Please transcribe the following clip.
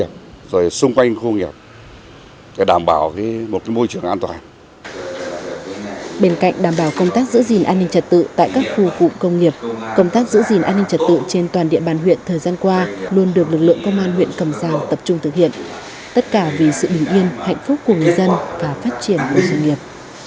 công tác giữ gìn an ninh trật tự trên toàn địa bàn huyện thời gian qua luôn được lực lượng công an huyện cầm giang tập trung thực hiện tất cả vì sự bình yên hạnh phúc của người dân và phát triển của doanh nghiệp